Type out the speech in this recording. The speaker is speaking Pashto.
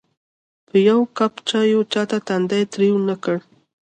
په یوه کپ چایو چاته تندی تریو نه کړ.